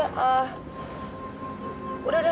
udah udah gue berhenti sini aja deh